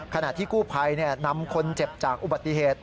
ขณะที่กู้ภัยนำคนเจ็บจากอุบัติเหตุ